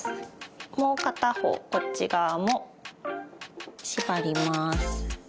もう片方こっち側も縛ります。